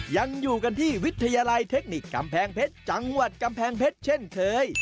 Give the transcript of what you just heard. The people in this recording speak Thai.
ยังอยู่กันที่วิทยาลัยเทคนิคกำแพงเพชรจังหวัดกำแพงเพชรเช่นเคย